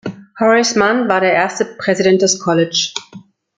Horace Mann war der erste Präsident des College.